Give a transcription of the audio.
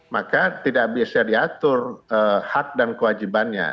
maka tidak bisa diatur hak dan kewajibannya